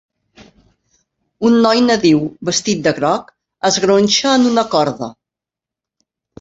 Un noi nadiu, vestit de groc, es gronxa en una corda.